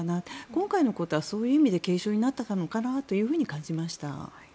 今回のことはそういう意味で警鐘になったのかなと感じました。